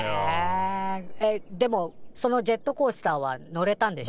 えでもそのジェットコースターは乗れたんでしょ？